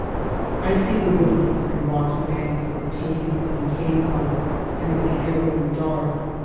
I see the woodland and rocky banks of the Tavy and the Tamar, and of the arrowy Dart.